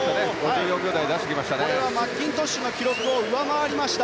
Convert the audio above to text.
これはマッキントッシュの記録を上回りました。